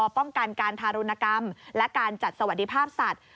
ป้องกันการทารุณกรรมและการจัดสวัสดิภาพสัตว์